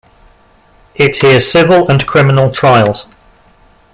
It hears civil and criminal trials.